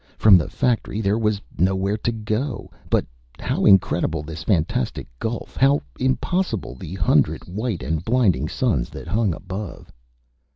From the factory, there was nowhere to go but how incredible this fantastic gulf, how impossible the hundred white and blinding suns that hung above!